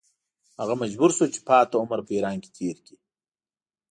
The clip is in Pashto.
هغه مجبور شو چې پاتې عمر په ایران کې تېر کړي.